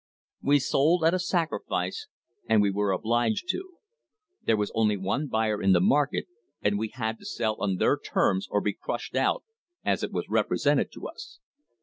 We sold at a sacrifice, and we were obliged to. There was only one buyer in the market, and we had to sell on their terms or be crushed out, as it was represented to us.